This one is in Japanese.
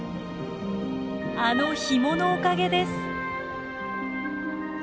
あのヒモのおかげです。